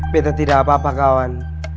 beda tidak apa apa kawan